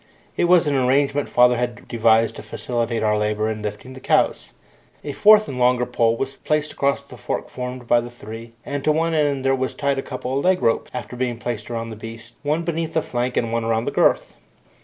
It was an arrangement father had devised to facilitate our labour in lifting the cows. A fourth and longer pole was placed across the fork formed by the three, and to one end of this were tied a couple of leg ropes, after being placed round the beast, one beneath the flank and one around the girth.